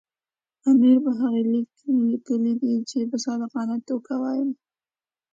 امیر په هغه لیک کې لیکلي دي چې په صادقانه توګه وایم.